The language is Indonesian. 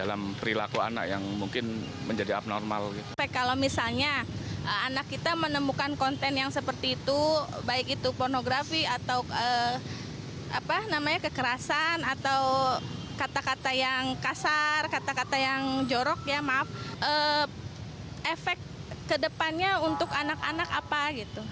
efek kedepannya untuk anak anak apa gitu